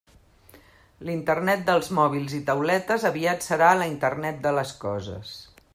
La Internet dels mòbils i tauletes aviat serà la Internet de les coses.